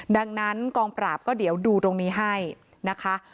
ดังนั้นกองปราบก็เดี๋ยวดูตรงนี้ให้นะคะ